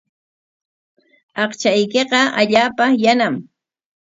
Aqchaykiqa allaapa yanam.